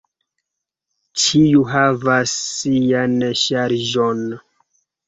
Ĉiu havas sian ŝarĝon.